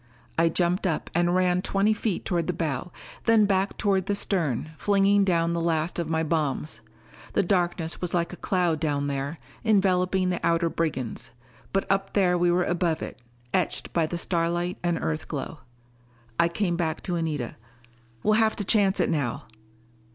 I jumped up and ran twenty feet toward the bow; then back toward the stern, flinging down the last of my bombs. The darkness was like a cloud down there, enveloping the outer brigands. But up there we were above it, etched by the starlight and Earthglow. I came back to Anita. "We'll have to chance it now."